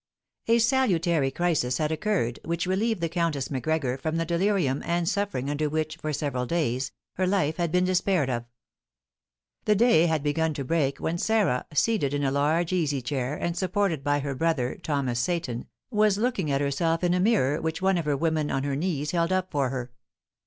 A salutary crisis had occurred, which relieved the Countess Macgregor from the delirium and suffering under which, for several days, her life had been despaired of. The day had begun to break when Sarah, seated in a large easy chair, and supported by her brother, Thomas Seyton, was looking at herself in a mirror which one of her woman on her knees held up before her.